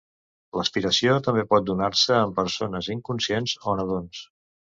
L'aspiració també pot donar-se en persones inconscients o nadons.